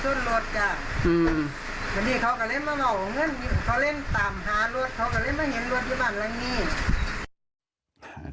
ส่วนรถค่ะอืมทีนี้เขาก็เล่นมาเล่างั้นเขาเล่นตามหารถเขาก็เล่นมาเห็นรถที่บ้านแหลงนี้